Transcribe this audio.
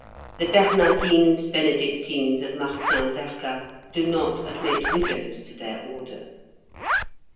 The Bernardines Benedictines of Martin Verga do not admit widows to their order.